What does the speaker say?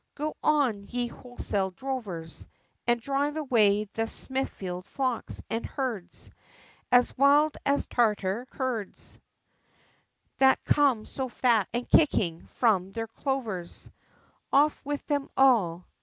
Go on, ye wholesale drovers! And drive away the Smithfield flocks and herds! As wild as Tartar Curds, That come so fat, and kicking, from their clovers; Off with them all!